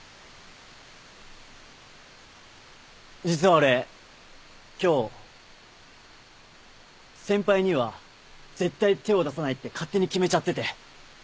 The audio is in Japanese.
実は俺今日先輩には絶対手を出さないって勝手に決めちゃってて。